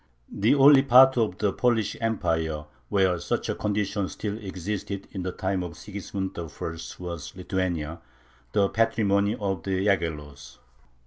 The only part of the Polish Empire where such a condition still existed in the time of Sigismund I. was Lithuania, the patrimony of the Yaghellos.